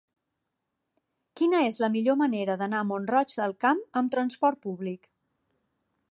Quina és la millor manera d'anar a Mont-roig del Camp amb trasport públic?